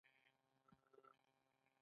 پیاز او هوږه د خوړو خوند زیاتوي.